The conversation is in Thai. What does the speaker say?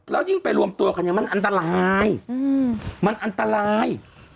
แล้วยิ่งไปรวมตัวกันเนี่ยมันอันตรายมันอันตราย